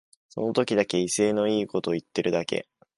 その時だけ威勢のいいこと言ってるだけ